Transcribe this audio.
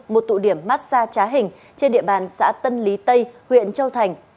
một tụ điểm mát xa trá hình trên địa bàn xã tân lý tây huyện châu thành